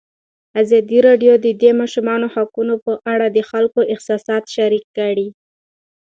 ازادي راډیو د د ماشومانو حقونه په اړه د خلکو احساسات شریک کړي.